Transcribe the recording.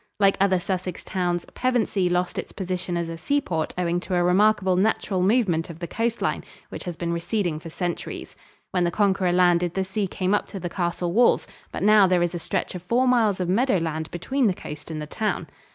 Like other Sussex towns, Pevensey lost its position as a seaport owing to a remarkable natural movement of the coast line, which has been receding for centuries. When the Conqueror landed the sea came up to the castle walls, but now there is a stretch of four miles of meadowland between the coast and the town.